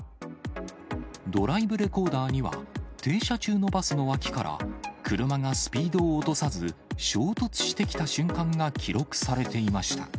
ドライブレコーダーには、停車中のバスの脇から車がスピードを落とさず衝突してきた瞬間が記録されていました。